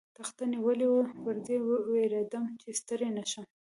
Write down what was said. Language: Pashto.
تخته نیولې وه، پر دې وېرېدم، چې ستړی نه شم.